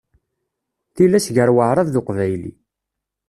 Tilas gar Waεrab d Uqbayli.